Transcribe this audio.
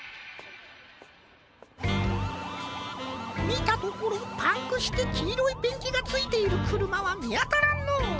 みたところパンクしてきいろいペンキがついているくるまはみあたらんのう。